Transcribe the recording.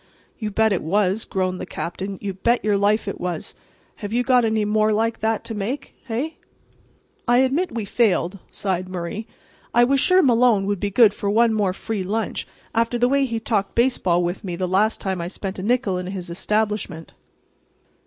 "You bet it was," groaned the Captain, "you bet your life it was. Have you got any more like that to make—hey?" "I admit we failed," sighed Murray. "I was sure Malone would be good for one more free lunch after the way he talked baseball with me the last time I spent a nickel in his establishment."